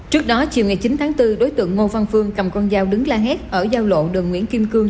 trước đó chiều ngày chín tháng bốn đối tượng ngô văn phương cầm con dao đứng la hét ở giao lộ đường nguyễn kim cương